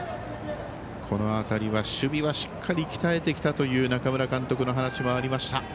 この辺り、守備はしっかり鍛えてきたという中村監督の話もありました。